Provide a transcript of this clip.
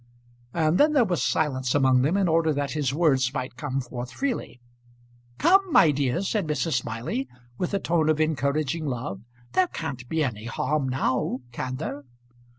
And then there was silence among them in order that his words might come forth freely. "Come, my dear," said Mrs. Smiley with a tone of encouraging love. "There can't be any harm now; can there?"